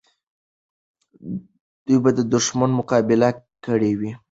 دوی به د دښمن مقابله کړې وي.